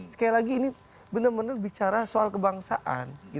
sekali lagi ini benar benar bicara soal kebangsaan